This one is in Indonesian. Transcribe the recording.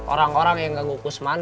orang orang yang ganggu kusman